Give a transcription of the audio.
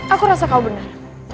aku rasa kau benar